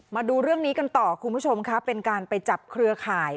มาดูเรื่องนี้กันต่อคุณผู้ชมค่ะเป็นการไปจับเครือข่าย